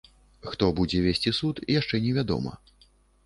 Хто будзе весці суд, яшчэ невядома.